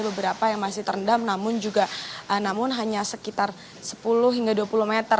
beberapa yang masih terendam namun juga namun hanya sekitar sepuluh hingga dua puluh meter